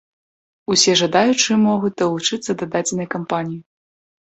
Усе жадаючыя могуць далучыцца да дадзенай кампаніі.